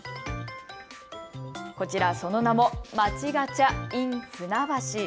こちらその名も街ガチャｉｎ船橋。